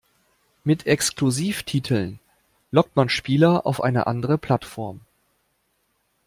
Mit Exklusivtiteln lockt man Spieler auf eine andere Plattform.